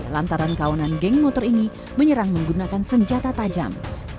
lantaran kawanan geng motor ini menyerang menggunakan senjata tajam